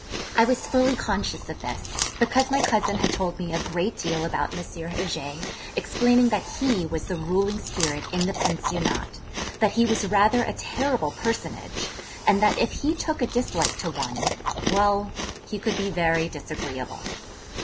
I was fully conscious of this, because my cousin had told me a great deal about M. Heger, explaining that he was the ruling spirit in the Pensionnat; that he was rather a terrible personage; and that if he took a dislike to one, well, he could be very disagreeable.